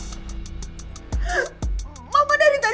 dan ibu gak akan pernah tergantikan